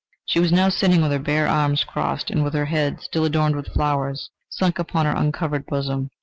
She was now sitting with her bare arms crossed and with her head, still adorned with flowers, sunk upon her uncovered bosom.